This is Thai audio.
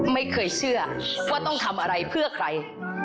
ไม่เคยเชื่อว่าต้องทำอะไรเพื่อใคร